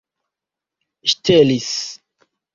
ŝtelis